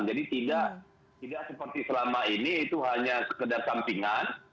jadi tidak seperti selama ini itu hanya sekedar sampingan